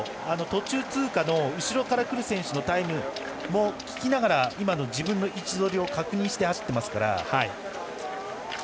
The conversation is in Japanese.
途中経過を後ろから来る選手のタイムも聞きながら今の自分の位置取りを確認して走ってますから。